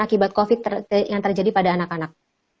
akibat covid yang terjadi pada anak anak